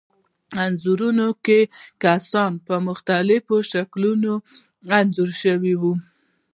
انځورونو کې کسان په مختلفو شکلونو انځور شوي وو.